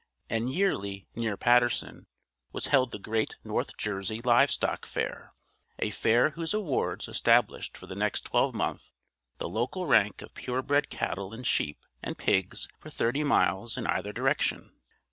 And yearly, near Paterson, was held the great North Jersey Livestock Fair a fair whose awards established for the next twelve month the local rank of purebred cattle and sheep and pigs for thirty miles in either direction.